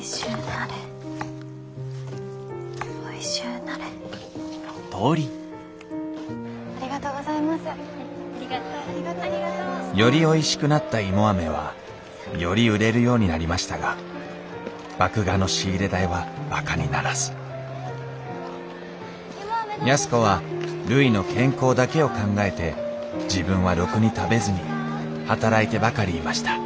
ありがとう。よりおいしくなった芋アメはより売れるようになりましたが麦芽の仕入れ代はばかにならず安子はるいの健康だけを考えて自分はろくに食べずに働いてばかりいました・